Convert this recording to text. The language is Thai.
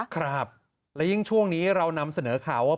ครับและยิ่งช่วงนี้เรานำเสนอข่าวว่า